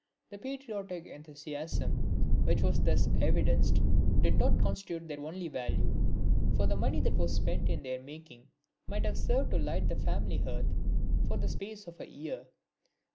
The patriotic enthusiasm which was thus evidenced did not constitute their only value, for the money that was spent in their making might have served to light the family hearth for the space of a year.